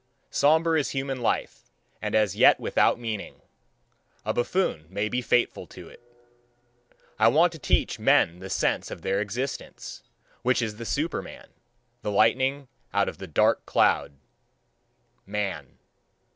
Sombre is human life, and as yet without meaning: a buffoon may be fateful to it. I want to teach men the sense of their existence, which is the Superman, the lightning out of the dark cloud man.